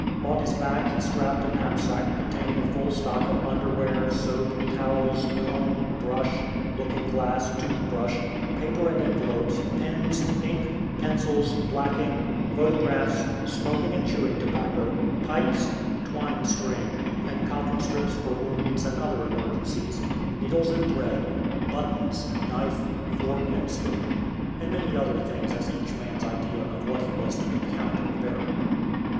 On his back he strapped a knapsack containing a full stock of underwear, soap, towels, comb, brush, looking glass, tooth brush, paper and envelopes, pens, ink, pencils, blacking, photographs, smoking and chewing tobacco, pipes, twine string, and cotton strips for wounds and other emergencies, needles and thread, buttons, knife, fork, and spoon, and many other things as each man's idea of what he was to encounter varied.